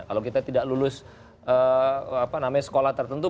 kalau kita tidak lulus apa namanya sekolah tertentu